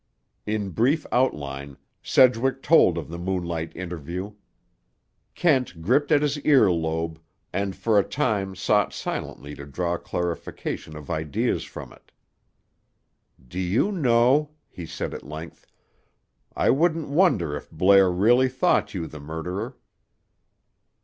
In brief outline, Sedgwick told of the moonlight interview. Kent gripped at his ear lobe, and for a time sought silently to draw clarification of ideas from it. "Do you know," he said at length, "I wouldn't wonder if Blair really thought you the murderer."